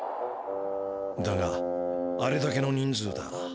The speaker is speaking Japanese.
だがあれだけの人数だ。